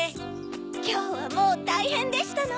きょうはもうたいへんでしたの！